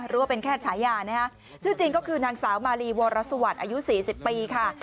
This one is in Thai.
ว่าเป็นแค่ฉายานะฮะชื่อจริงก็คือนางสาวมาลีวรสวัสดิ์อายุ๔๐ปีค่ะ